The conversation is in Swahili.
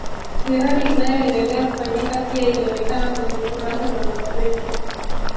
miradi inayoendelea kufanyika pia ilionekana kwenye kurasa za magazeti